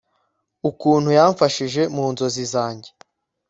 ukuntu yamfashije mu nzozi zanjye